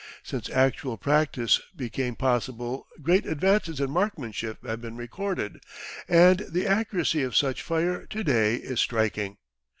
Since actual practice became possible great advances in marksmanship have been recorded, and the accuracy of such fire to day is striking.